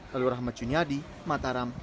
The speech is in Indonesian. lalu rahmat junyadi mataram